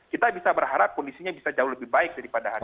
kita bisa berharap kondisinya bisa jauh lebih baik daripada hari ini